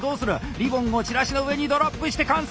リボンをチラシの上にドロップして完成！